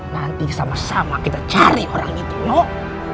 nanti sama sama kita cari orang itu nok